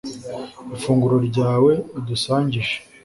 ifunguro ryawe udusangije